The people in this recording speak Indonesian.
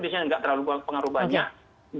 seharusnya tidak terlalu pengaruh banyak